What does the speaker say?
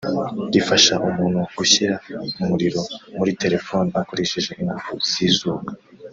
rifasha umuntu gushyira umuriro muri telefoni akoresheje ingufu z’izuba